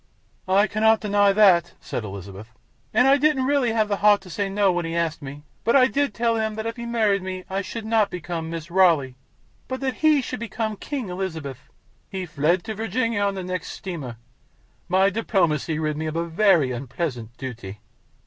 "I cannot deny that," said Elizabeth, "and I didn't really have the heart to say no when he asked me; but I did tell him that if he married me I should not become Mrs. Raleigh, but that he should become King Elizabeth. He fled to Virginia on the next steamer. My diplomacy rid me of a very unpleasant duty."